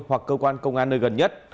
hoặc cơ quan công an nơi gần nhất